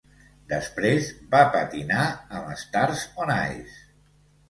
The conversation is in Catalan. Després va patinar amb Stars on Ice.